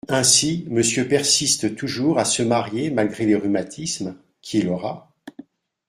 Ainsi, Monsieur persiste toujours à se marier malgré les rhumatismes… qu’il aura ?